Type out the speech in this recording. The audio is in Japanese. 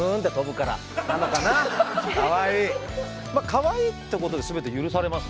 かわいいってことで全て許されます